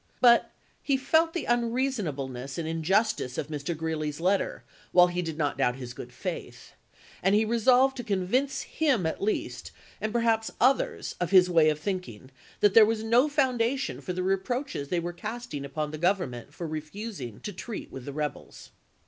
But he felt the unreasonableness and injustice of Mr. Greeley's letter, while he did not doubt his good faith ; and he resolved to convince him at least, and perhaps others of his way of thinking, that there was no foundation for the re proaches they were casting upon the Government for refusing to treat with the rebels.